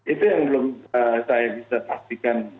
itu yang belum saya bisa pastikan